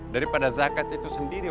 daripada zakat itu sendiri